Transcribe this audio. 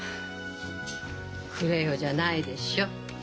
「くれよ」じゃないでしょ。